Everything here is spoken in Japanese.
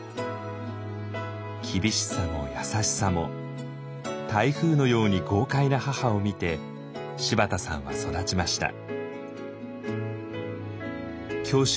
厳しさも優しさも台風のように豪快な母を見て柴田さんは育ちました。